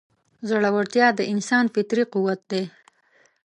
زړهورتیا د انسان فطري قوت دی.